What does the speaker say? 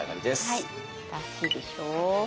はい。だしでしょ。